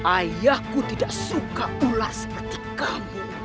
ayahku tidak suka ulah seperti kamu